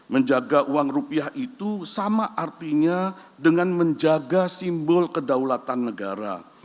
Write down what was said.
menjaga uang rupiah itu sama artinya dengan menjaga simbol kedaulatan negara